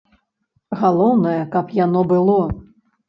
Галоўнае, каб яно было.